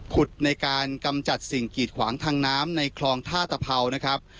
ในการกำจัดสิ่งกีดขวางทางน้ำในคลองท่าตะเผานะครับ